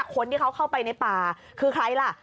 คนที่เขาเข้าไปในป่าคือใครล่ะ